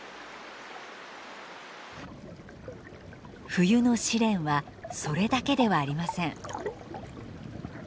冬の試練はそれだけではありません。